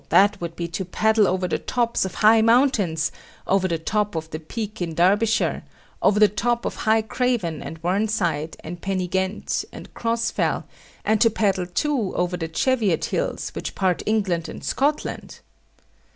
That would be to paddle over the tops of high mountains; over the top of the Peak in Derbyshire, over the top of High Craven and Whernside and Pen y gent and Cross Fell, and to paddle too over the Cheviot Hills, which part England and Scotland."